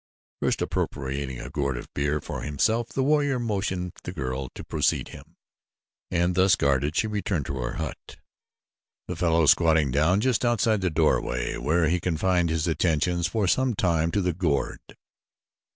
First appropriating a gourd of beer for himself the warrior motioned the girl to precede him, and thus guarded she returned to her hut, the fellow squatting down just outside the doorway, where he confined his attentions for some time to the gourd.